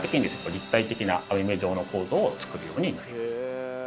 立体的な網目状の構造を作るようになります。